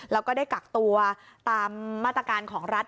แล้วก็ได้กักตัวตามมาตรการของรัฐ